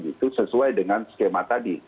itu sesuai dengan skema tadi